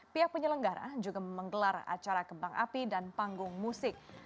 pihak penyelenggara juga menggelar acara kembang api dan panggung musik